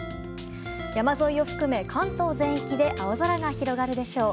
山沿いを含め、関東全域で青空が広がるでしょう。